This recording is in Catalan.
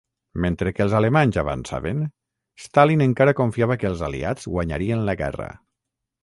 Mentre que els alemanys avançaven, Stalin encara confiava que els Aliats guanyarien la guerra.